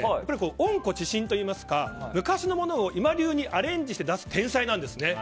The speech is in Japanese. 温故知新といいますか昔のものを今流にアレンジして出す天才なんですね。